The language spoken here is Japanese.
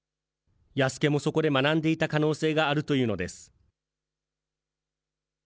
弥助もそこで学んでいた可能性があるというのです。